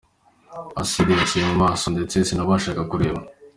acide yagiye mu maso ndetse sinabashaga kureba.